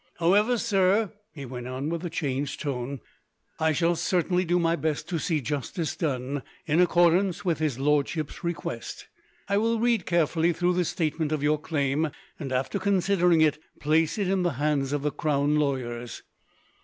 "However, sir," he went on, with a changed tone; "I shall certainly do my best to see justice done, in accordance with his lordship's request. I will read carefully through this statement of your claim, and, after considering it, place it in the hands of the crown lawyers.